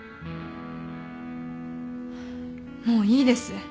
もういいです。